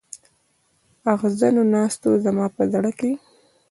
اغزنو ناستو زما په زړه کې.